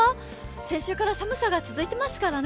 先週から寒さが続いていますからね。